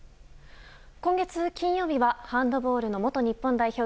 今月金曜日はハンドボールの元日本代表